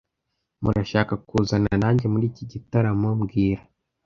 Murashaka kuzana nanjye muri iki gitaramo mbwira